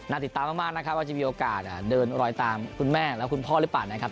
ติดตามมากนะครับว่าจะมีโอกาสเดินรอยตามคุณแม่และคุณพ่อหรือเปล่านะครับ